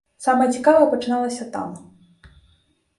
Самае цікавае пачыналася там.